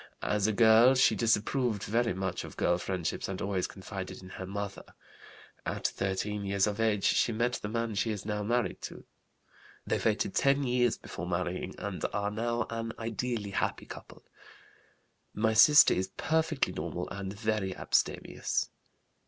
As a girl she disapproved very much of girl friendships and always confided in her mother. At 13 years of age she met the man she is now married to. They waited ten years before marrying and are now an ideally happy couple. My sister is perfectly normal and very abstemious.